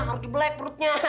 harus di bleng perutnya